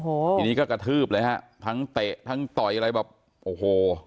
โอ้โหทีนี้ก็กระทืบเลยฮะทั้งเตะทั้งต่อยอะไรแบบโอ้โห